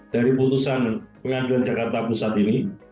dari putusan pengadilan jakarta pusat ini